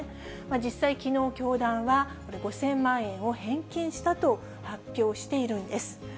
実際、きのう教団は、これ、５０００万円を返金したと発表しているんです。